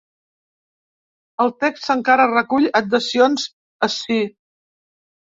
El text encara recull adhesions ací.